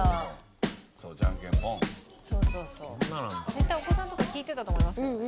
絶対お子さんとか聴いてたと思いますよ。